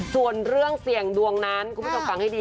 ส่วนเรื่องเสี่ยงดวงนั้นคุณผู้ชมฟังให้ดี